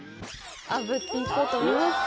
炙っていこうと思います。